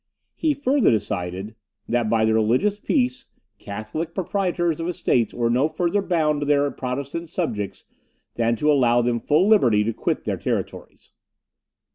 He further decided, "That, by the religious peace, Catholic proprietors of estates were no further bound to their Protestant subjects than to allow them full liberty to quit their territories."